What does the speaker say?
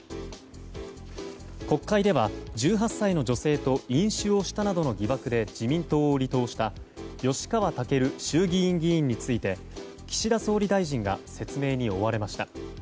国会では１８歳の女性と飲酒をしたなどの疑惑で自民党を離党した吉川赳衆議院議員について岸田総理大臣が説明に追われました。